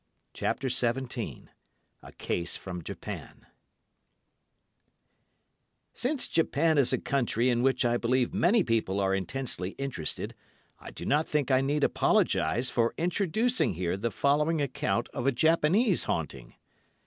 CHAPTER XVII A CASE FROM JAPAN Since Japan is a country in which I believe many people are intensely interested, I do not think I need apologise for introducing here the following account of a Japanese haunting.